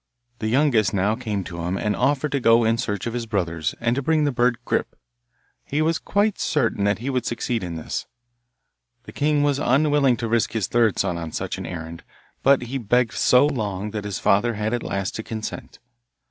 The youngest now came to him, and offered to go in search of his brothers and to bring the bird Grip; he was quite certain that he would succeed in this. The king was unwilling to risk his third son on such an errand, but he begged so long that his father had at last to consent.